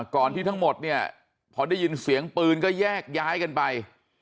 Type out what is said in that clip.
ที่ทั้งหมดเนี่ยพอได้ยินเสียงปืนก็แยกย้ายกันไป